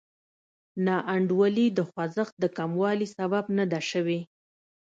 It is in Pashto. ناانډولي د خوځښت د کموالي سبب نه ده شوې.